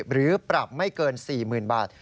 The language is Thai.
หรือปรับไม่เกิน๔๐๐๐บาท